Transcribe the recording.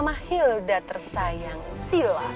hah di tas